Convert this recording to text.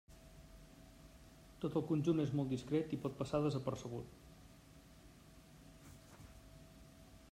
Tot el conjunt és molt discret i pot passar desapercebut.